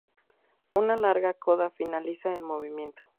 Una larga coda finaliza el movimiento.